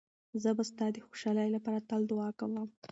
زه به ستا د خوشحالۍ لپاره تل دعا کوم.